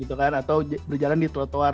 jangan gitu kan atau berjalan di trotoar